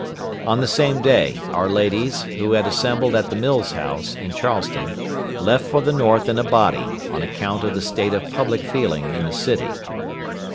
On the same day, our ladies, who had assembled at the Mills House, in Charleston, left for the North in a body, on account of the state of public feeling in the city.